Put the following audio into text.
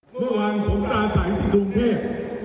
เมื่อวานผมอาศัยที่ดรุงเพศ